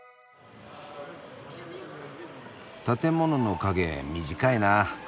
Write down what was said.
建物の影短いなあ。